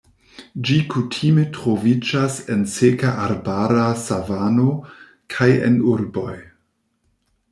Ĝi kutime troviĝas en seka arbara savano kaj en urboj.